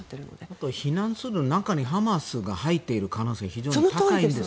あと避難する中にハマスが入ってる可能性がそうなんです。